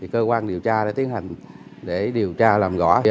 cơ quan điều tra đã tiến hành để điều tra làm rõ